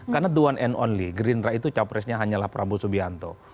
karena do one and only gerindra itu capresnya hanyalah prabowo subianto